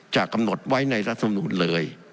จะกำหนดไว้ในรัฐธรรมนุษย์เลย